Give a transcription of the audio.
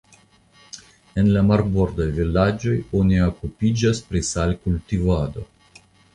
En la marbordaj vilaĝoj oni okupiĝas pri salkultivado.